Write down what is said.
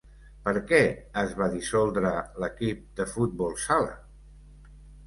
Per què es va dissoldre l'equip de futbol sala?